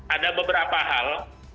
ada beberapa hal